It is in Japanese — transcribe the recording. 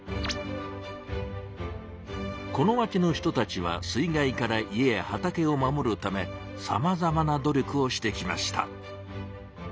この町の人たちは水害から家や畑を守るためさまざまな努力をしてきました。